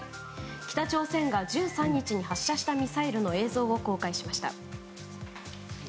北朝鮮が１３日に発射したミサイルの映像を公開しました。